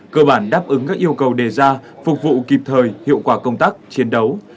cơ bản đáp ứng các yêu cầu đề ra phục vụ kịp thời hiệu quả công tác chiến đấu